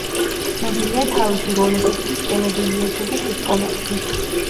ცნობილია თავისი როლებისთვის ტელევიზიასა და სიტკომებში.